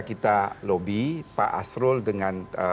kita lobby pak asrul dengan